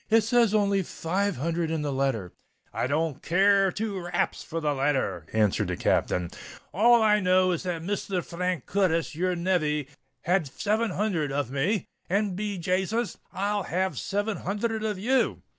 "It says only five hundred in the letter." "I don't care two r raps for the letther," answered the Captain: "all I know is that Misther Frank Curtis, your nev vy, had seven hunthred of me—and, be Jasus! I'll have seven hunthred of you."